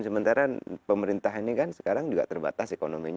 sementara pemerintah ini kan sekarang juga terbatas ekonominya